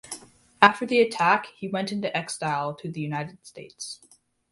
After the attack he went into exile to the United States.